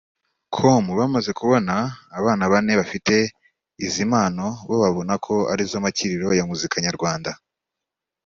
com ko bamaze kubona abana bane bafite izi mpano bo babona ko arizo makiriro ya muzika nyarwanda